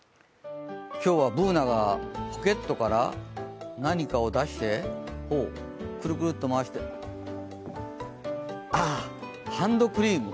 今日はＢｏｏｎａがポケットから何かを出してほう、くるくるっと回してああ、ハンドクリーム。